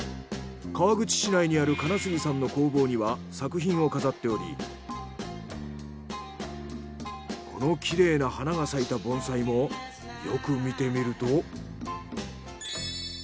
川口市内にある金杉さんの工房には作品を飾っておりこのきれいな花が咲いた盆栽もよく見てみると。